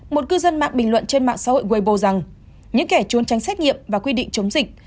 một cư dân mạng bình luận trên mạng xã hội webo rằng những kẻ trốn tránh xét nghiệm và quy định chống dịch